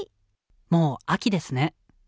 もう秋ですね。